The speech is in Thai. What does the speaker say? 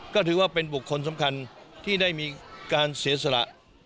ก็ถือว่าเป็นบุคคลสำคัญที่ได้มีการเสียสละ